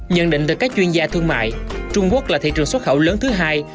nhận định từ các chuyên gia thương mại trung quốc là thị trường xuất khẩu lớn thứ hai